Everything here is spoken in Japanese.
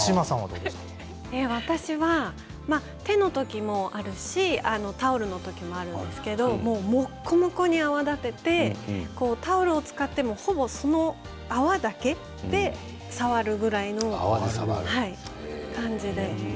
私は手の時もあるしタオルの時もあるんですけどもこもこに泡立ててタオルを使ってもほぼ、その泡だけで触るぐらいの感じです。